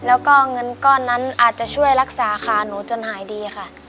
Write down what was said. แล้วก็เงินก้อนนั้นอาจจะช่วยรักษาขาหนูจนหายดีค่ะ